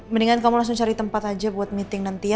mendingan kamu langsung cari tempat aja buat meeting nanti ya